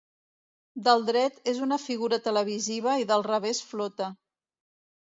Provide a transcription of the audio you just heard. Del dret és una figura televisiva i del revés flota.